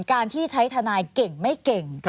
การที่ใช้ทนายเก่งไม่เก่ง